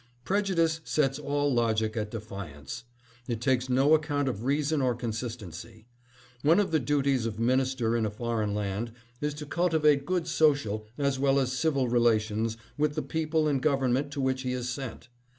"Prejudice sets all logic at defiance. It takes no account of reason or consistency. One of the duties 730 SOCIAL RELATIONS. of minister in a foreign land is to cultivate good social as well as civil relations with the people and government to which he is sent.